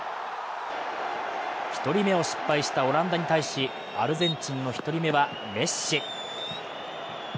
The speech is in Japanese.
１人目を失敗したオランダに対しアルゼンチンの１人目はメッシ。